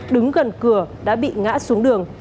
đứng gần cửa đã bị ngã xuống đường